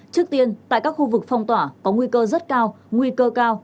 trước tiên tại các khu vực phong tỏa có nguy cơ rất cao nguy cơ cao